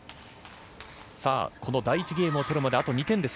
第１ゲームを取るまで、あと２点です。